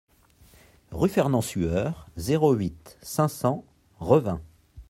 Rue Fernand Sueur, zéro huit, cinq cents Revin